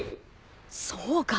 そうか。